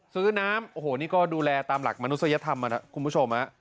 ซื้อน้ำโอ้โหนี่ก็ดูแลตามหลักมนุษยธรรมนะคุณผู้ชม